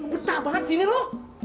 betah banget sini lu